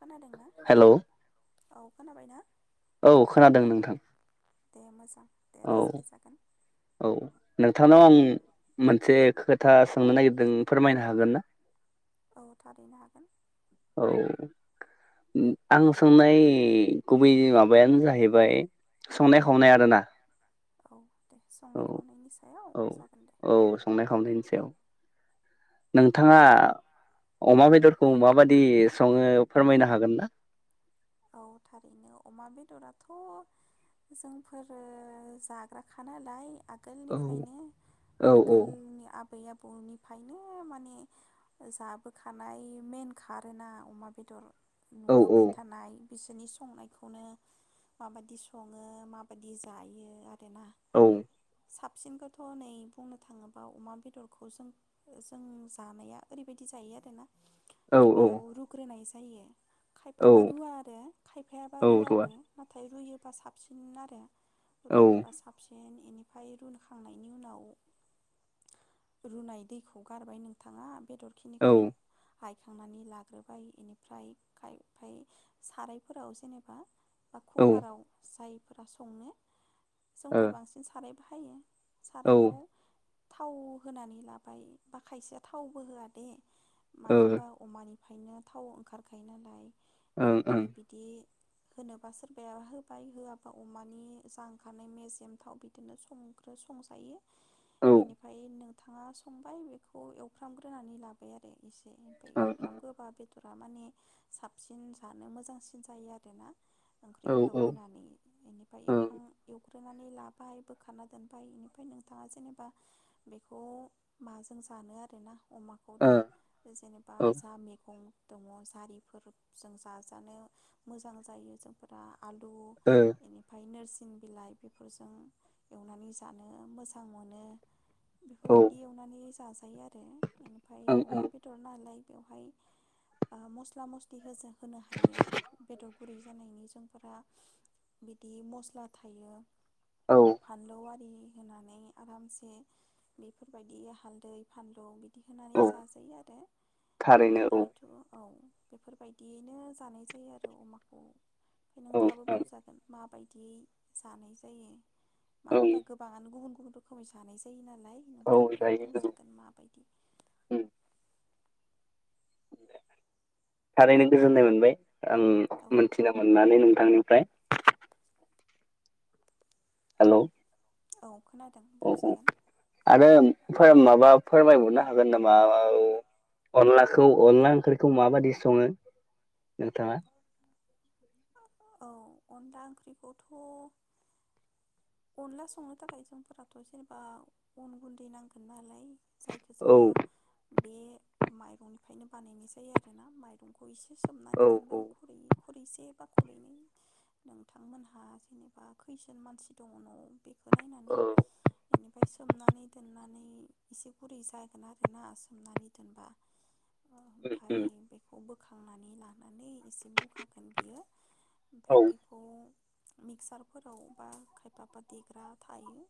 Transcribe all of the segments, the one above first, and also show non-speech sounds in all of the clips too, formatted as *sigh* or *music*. खोनादोंना हेलौ औ खोनाबायना? औ खोनादों नोंथां दे मोजां दा औ राइज्लाय जागोन औ नोंथांनाव आं मोनसे खोथा सोंनो नागिरदों फोरमायनो हागोन ना? औ थारैनो हागोन। औ आं सोंनाय गुबै माबायानो जाहैबाय संनाय खावनाय आरो ना औ दे संनाय खावनायनि सायाव औ जागोन दे औ संनाय खावनायनि सायाव नोंथाङा अमा बेदरखौ माबादि सङो फोरमायनो हागोन ना? औ थारैनो अमा बेदराथ' जोंफोर जाग्राखा नालाय औ आगोलनिफ्रायनो औ आगोलनि आबै आबौ बर' निफ्रायनोथ' माने जाबोखानाय मेइेन खारोना अमा बेदर औ नुबोबाय थानाय बिसोरनि संनायखौनो माबायदि सङो माबायदि जायो आरो ना औ साबसिनखौथ' नै बुंनो थाङोबा अमा बेदरखौ जों जों जानाया ओरैबायदि जायो आरो ना औ गिबियाव रुग्रोनाय जा जायो औ खायफाबा रुवा आ खायफायाबा औ रुवा रुवाबो नाथाय रुयोबा साबसिन आरो औ रूयोबा साबसिन बेनिफ्राय रुखांनायनि उनाव रुनाय दैखौ गारबाय नोंथाङा औ बेदरखिनिखौ बायखांनानै लाग्रोबाय बेनिफ्राय खायफाया सारायफोराव जेनेबा बा ओ कुकाराव जाय फोरा संनो औ ओ जोंफोर ओं बांसिन साराय बाहायो ओं सारायाव थाव होनानै लाबाय बा खायसेया थावबो होआ दे मानो होनबा अमानि *unintelligible* थाव ओंखारखायो नालाय इनिफ्राय बिदि होनोबा सोरबाया होबाय होआबा अमानि जा ओंखारनाय मेजेम थाव बिदिनो संग्रो-संजायो। औ ओं बेनिफ्राय नों थाङा संबाय बेखौ एवफ्रामग्रोनानै लाबाय आरो। इसे ओमफ्राय ओं एवफ्राम गोबा बेद फोरा माने साबसिन जानो मोजांसिन जायो आरोना। औ ओंख्रिफोराव औ होनानै ऐनिफ्राय ओ एवखां एव ग्रोनानै लाबाय बोखारना दोनबाय बेनिफ्राय नोंथांङा जेनेबा बेखौ माजों जानो आरोना। अमाखौ औ दा जेनेबा ओ जा मैगं दङ जारि फोरजों जाजानो मोजां जायो जोंफोरा आलु ओ बेनिफ्राय नोरसिं बिलाइ बेफोरजों एवनानै जानो मोजां मोनो। ओं बेफोरबायदि एवनानै जाजायो आरो। एनिफ्राय अमा ओं बेदर नालाय बेवहाय मस्ला मस्लि होजो होनो हायो बेदर गुरै जानायनि जोंफोरा बिदि मस्ला थायो औ फानलौ आारि होनानै आरामसे बेफोरबायदि हालदै फानलौ दि होनानै औ जाजायो आरो थारैनो बेनिफ्रायथ' औ बेफोरबाय दियैनो जानाय जायो आरो अमाखौ। फाय औ नोंथांङाबो ओं बुंजागोन माबाय? दि जानाय जायो। मानो ओं होबा गोबाङानो गुबुन *unintelligible* जानाय जायो ना लाय औ नोंथाङाबो जायो औ बुंजागोन माबायदि उम थारैनो गोजोननाय मोनबाय। आं औ मोनथिनो मोननानै नों आंनिफ्राय हेलौ औ खोनादों औ औ बुंजागोन आरो फोर माबा फोरमायहरनो हागोन नामा आ औ अनलाखौ अनला ओंख्रिखौ माबादि सङो नोंथाङा? औ अनला ओंख्रिखौथ अनला संनो थाखाय जोंफोराथ जेनेबा अन गुन्दै नांगोन नालाय जायखो औ जोङो बे माइरंनिफायनो बानायनाय जायो आरोना माइरंखौ एसे औ सोमनानै औ दोनबाय खुरैयै खुरैसे बा खुरैनै नोंथांमोनहा जेनेबा खैजोन मानसि दङ न'आव? इखो नायनानै औ इनि फाय सोमनानै दोननानै एसे गुरै जागोन आरोना सोमनानै दोनबा उम ओमफाय उम बेखौबो खांनानै लानानै एसे बुखागोन बियो फाय औ बेखौ मिक्सारफोराव बा खायफाबा देग्रा थायो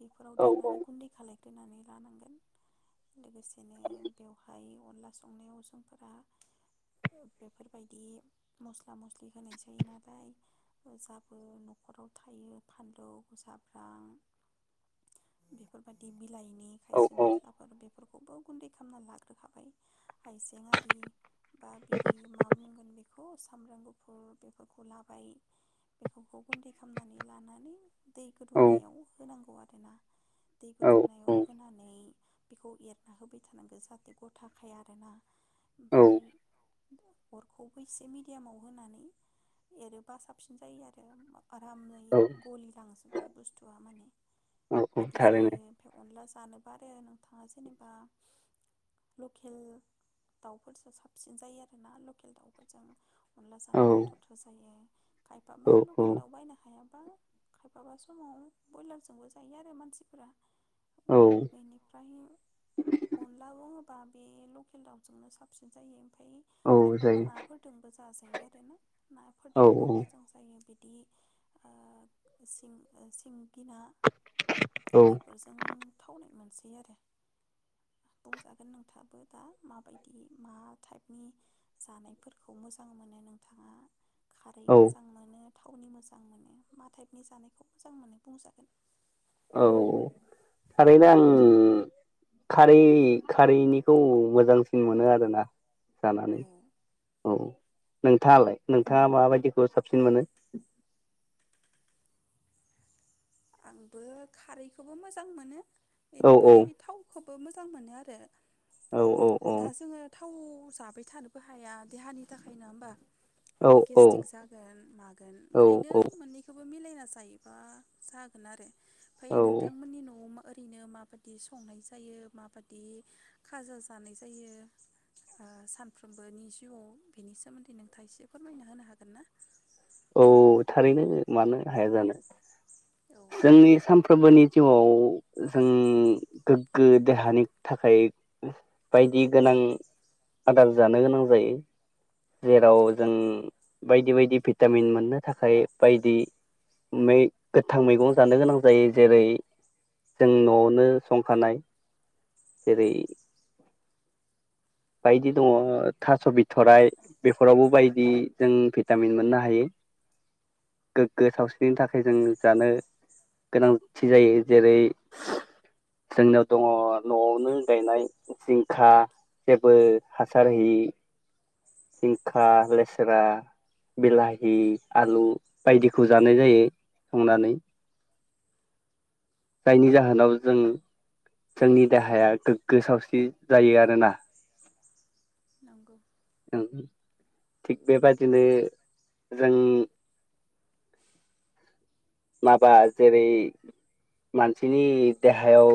बेफोराव औ देरनानै गुन्दै खालाय होनानै लानांगोन लोगोसेनो बेवहाय अनला संनायाव जोंफोरा बेफोरबायदि मस्ला मस लि होनाय जायो नालाय जाबो नखराव थायो फानलौजाब्रां बेफोरबायदि लाइनि औ खायसे औ मस्लाफोर बेफोर खौबो गुन्दै खालामना लाग्रोखाबाय हाइजें आरि बा बिदि मा बुंगोन बेख *unintelligible* अ बेफोरख' लाबाय बे ख'ख गुन्दै खालामनानै लानानै दै औ औ गोदौनायाव होनांगौ आरोना दै औ गोदौनायाव होनानै बिखौ एरना होबाय थानांगो जाहाथे गथ थाखाय आरोना औ ओमफाय अरखौबो एसे मिदि एमाव होनानै एरोबा साबसिन जायो आरो। आरामै गलिलांजोबो बुस्थुआ माने औ औ बिदि थारैनो जायो ओमफाय अनला जानो आरो नोंथाङा जेनेबा लकेल दाउफोरजों साबसिन जायो आर ना लकेल दाउफोरजों? अनला औ जानो गोथावथार जायो। खायफाबा औ औ लकेल दाउ बायनो हायाबा माबा समाव ब्रयलारजोंबो जायो आरो मानसिफोरा। औ बेनिफ्रायो अनलाबो बा बे लकेल दाउजोंनो साबसिन जायो। ओमफाय औ खायफाबा जायो नाफोर दोंबो जायो जाजायो आरो ना औ नाफोरदोंबो मोजां जायो बिदि दि ओ सिं ओ‌ सिं गि ना बेफोरजों थावनाय मोनसे आरो बुंजागोन नोंथाङाबो दा माबायदि मा टाइपनि जानायफोरखौ मोजां मोनो नोंथाङा खारै औ मोजां मोनो। थावनि मोजां मोनो मा टाइपनि जानायखौ मोजां मोनो बुंजागोन? औ थारैनो आं खारै-खारैनिखौ मोजांसिन मोनो आरोना जानानै औ औ। नोंथाङालाय नोंथाङा माबायदिखौ साबसिन मोनो? आंबो खारैखौबो मोजां मोनो। औ औ बेनिफ्राय थावखौबो मोजां मोनो आरो औ औ औ दा जोङो थाव जाबाय थानोबो हाया देहानि थाखाय नोङा होमबा? औ गेस्टिक जागोन मागोन औ ओंखायनो औ मोननैखौ मिलायना जायोबा जा *unintelligible* बै औ नोंथांमोननि न'आव मा ओरैनो माबादि संनाय जायो माबादि खाजा जानाय जायो ओ सानफ्रोमबोनि जिउआव बेनि सोमोन्दै नोंथाङा एसे फोरमायना होनो हागोन ना? औ थारैनो मानो हाया जानो औ जोंनि सानफ्रोमबोनि जिउआव जों गोग्गो देहानि थाखाय बायदि गोनां आदार जानो गोनां जायो। जेराव जों बायदि बायदि भिटामिन मोननो थाखाय बायदि गोथां मैगं जानो गोनां जायो जेरै जों न'आवनो संखानाय जेरै बायदि दङ थास' बिथ'राइ बेफोरावबो बायदि जों भिटामिन मोननो हायो गोग्गो सावस्रिनि थाखाय जों जानो गोनांथि जायो। जेरै जोंनायाव दङ न'आवनो गायनाय जिंखा जेबो हासार होयि जिंखा लेस्रा बिलाहि आलु बायदिखौ जानाय जायो संनानै। जायनि जाहोनाव जों जोंनि देहाया गोग्गो सावस्रि जायो आरोना। नंगौ औ थिग बेबादिनो जों माबा जेरै मानसिनि देहायाव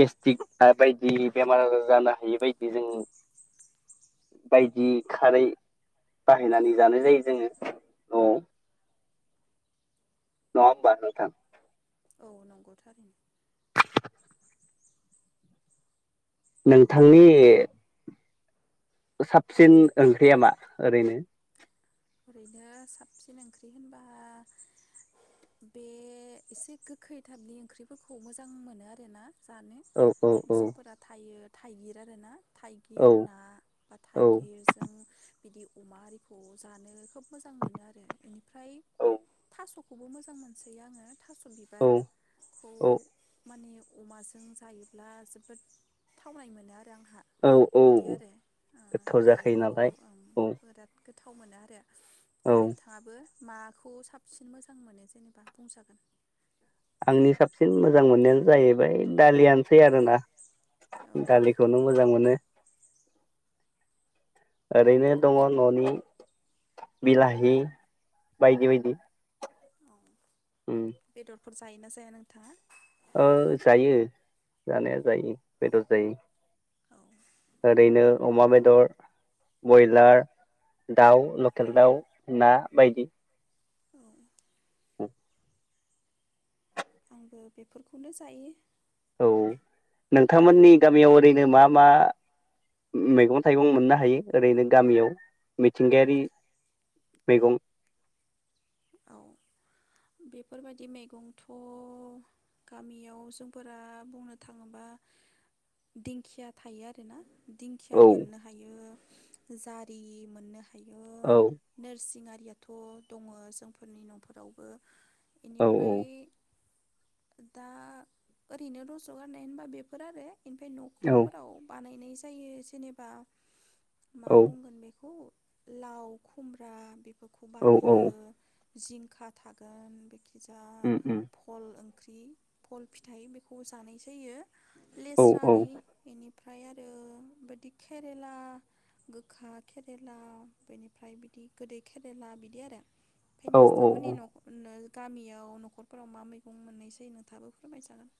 गेस्ट्रिक बायदि बेमार आजार जानो हायि बायदि जों बायदि खारै बाहायनानै जानाय जायो जोङो न'आव नङा ओमबा नोंथां औ नंगौथ' आरो। नोंथांनि साबसिन ओंख्रिया मा ओरैनो ओरैनो साबसिन ओंख्रि होनबा बे एसे गोखै थाइबनि ओंख्रिफोरखौ मोजां मोनो आरो ना। जानो औ औ जोंफोरा थायो थाइगिर आरो ना औ थाइगिर ना बा औ थाइगिरजों बिदि अमा आरिखौ जानो खोब मोजां मोनो आरो बेनिफ्राय औ थास'खौबो मोजां मोनसोयो आङो थास' औ बिबारखौ औ माने अमाजों जायोब्ला जोबोद थावनाय मोनो आरो। आंहा औ बिदि आरो गोथाव जाखायो बेखौ नालाय औ बिराद गोथाव गोथाव मोनो आरो ओमफ्राय औ नोंथाङाबो माखौ साबसिन मोजां मोनो जेनेबा बुंजागोन आंनि साबसिन मोजां मोननायानो जाहैबाय दालियानोसै आरो ना। औ दालिखौनो मोजां मोनो ओरैनो दङ बे ननि बिलाहि बायदि बायदि। उम फोर जायोना जाया नोंथाङा ओ जायो जानाया जायो बेदर जायो औ ओरैनो अमा बेदर, बयलार, दाउ, लकेल दाउ, ना बायदि। औ औ आंबो बेफोरखौनो जायो। औ नोंथांमोननि गामियाव ओरैनो मा मा मैगं थाइगं मोननो हायो ओरैनो गामियाव मिथिंगायारि मैगं? औ बेफोरबायदि मैगंथ' गामियाव जोंफोरा बुंनो थाङोबा दिंखिया थायो आरो ना। दिंखिया औ मोननो हायो। जारि मोननो हा थायो औ नोरसिं आरिया थ' दङ जों फोरनि न'फोरावबो औ इनिफ्राय दा ओरैनो रज गारनाय होनबा बेफोर आरो ओमफ्राय औ न'खरफोराव बानायनाय जा जायो जेनेबा मा औ बुंगोन बेखौ लाव खुमब्रा बे बेफोरखौ औ औ बानायो जिंखा थागोन बे खिजा उम उम भल ओं ख्रि भल फिथाइ बेखौ जानाय जायो औ लेस्रारि इनि ओमफ्राय आरो बिदि केरेला गोखा केेरेला बेनिफ्राय बिदि गोदै केरेला बिदि आरो ओमफ्राय औ औ औ नोंसांमोननि न' ओ गामियाव न'खरफोराव मा मैगं मोननाय‌ जायो नोंथाबो फोरमाय जागोन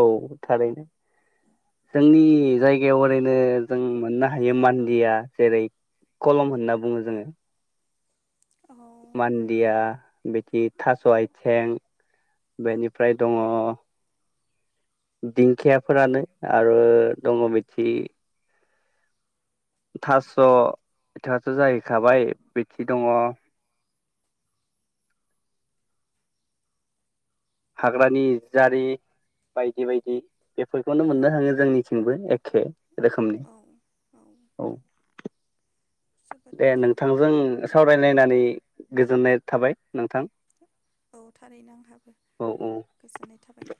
औ थारैनो जोंनि जायगायाव ओरैनो जों मोननो हायो मान्दिया जेरै कलम होनना बुङो जोङो अह मान्दिया बिदि थास' आयथे बेनिफ्राय दङ दिंखियाफोरानो आरो दङ बिथि थास' थास जाहै खाबाय बिथि दङ हाग्रानि जारि बायदि बायदि बेफोरखौनो औ मोननो थांङो जोंनिथिंबो ए खै रोखोमनि औ औ औ जोबोद दे मोजां नोंथांजों सावरायलायनानै गोजोननाय थाबाय नोंथां औ थारैनो आंहाबो औ औ गोजोननाय थाबाय